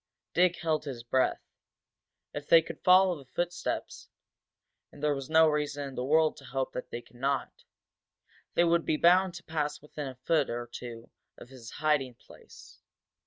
Dick held his breath. If they could follow the footsteps and there was no reason in the world to hope that they could not! they would be bound to pass within a foot or two of his hiding place.